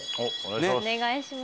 お願いします。